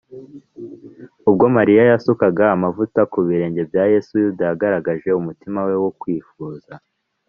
ubwo mariya yasukaga amavuta ku birenge bya yesu, yuda yagaragaje umutima we wo kwifuza